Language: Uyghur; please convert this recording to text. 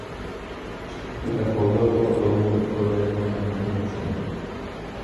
ئىككى خىل ئەھۋالدا بۇ ئاتالغۇنىڭ ئىپادىلەيدىغان مەنىسىمۇ ئوخشىمايدۇ.